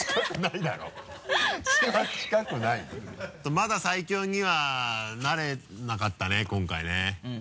まだ最強にはなれなかったね今回ね。